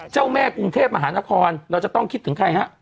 เจ้าแม่กรุงเทพมหานครเราจะต้องคิดถึงใครฮะ